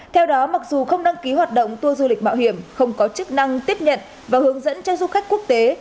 theo đó mặc dù không đăng ký hoạt động tour du lịch mạo hiểm không có chức năng tiếp nhận và hướng dẫn cho du khách quốc tế